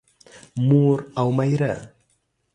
مور او مېره